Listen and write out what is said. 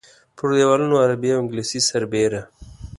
پر دیوالونو عربي او انګلیسي سربېره.